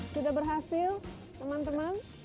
sudah berhasil teman teman